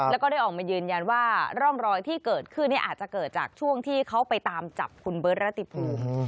แล้วก็ได้ออกมายืนยันว่าร่องรอยที่เกิดขึ้นอาจจะเกิดจากช่วงที่เขาไปตามจับคุณเบิร์ตรติภูมิ